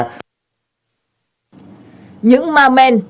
những ma men